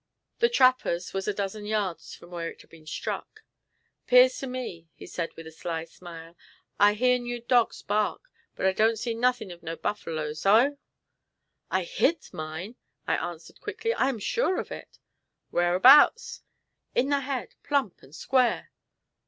The trapper's was a dozen yards from where it had been struck. "'Pears to me," said he with a sly smile, "I heer'n your dogs bark, but I don't see nothin' of no buffaloes, ogh!" "I hit mine," I answered quickly; "I am sure of it." "Whereabouts?" "In the head, plump and square."